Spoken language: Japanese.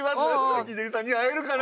レキデリさんに会えるかな。